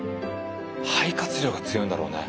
肺活量が強いんだろうね。